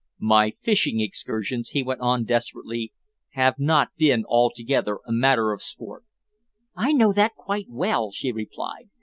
"My fishing excursions," he went on desperately, "have not been altogether a matter of sport." "I know that quite well," she replied.